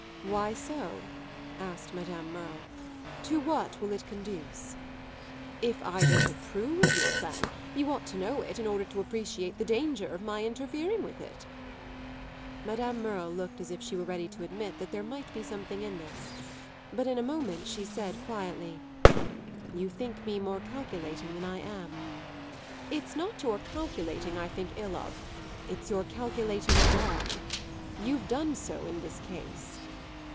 "Why so?" asked Madame Merle. "To what will it conduce?" "If I don't approve of your plan you ought to know it in order to appreciate the danger of my interfering with it." Madame Merle looked as if she were ready to admit that there might be something in this; but in a moment she said quietly: "You think me more calculating than I am." "It's not your calculating I think ill of; it's your calculating wrong. You've done so in this case."